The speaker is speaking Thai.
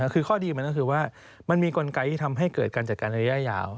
คือข้อดีมันก็คือว่ามันมีกลไกที่ทำให้เกิดการจัดการระยะยาว